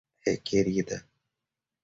Requerida